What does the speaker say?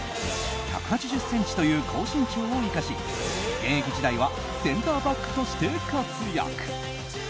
１８０ｃｍという高身長を生かし現役時代はセンターバックとして活躍。